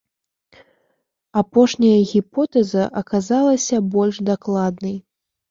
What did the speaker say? Апошняя гіпотэза аказалася больш дакладнай.